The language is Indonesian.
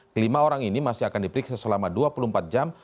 kelima orang ini masih akan diperiksa selama dua puluh empat jam